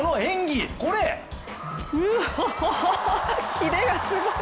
キレがすごい！